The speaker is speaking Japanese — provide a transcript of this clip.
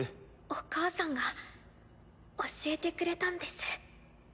お母さんが教えてくれたんです。